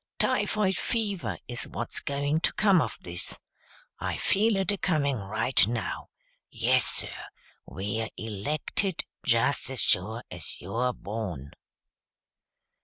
Typhoid fever is what's going to come of this. I feel it acoming right now. Yes, sir, we're elected, just as sure as you're born."